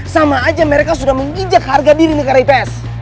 sama aja mereka sudah menginjak harga diri negara ips